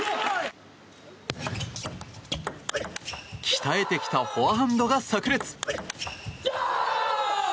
鍛えてきたフォアハンドが炸裂！